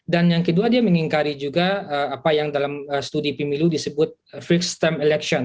dan yang kedua dia mengingkari juga apa yang dalam studi pemilu disebut fixed term election